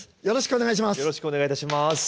よろしくお願いします。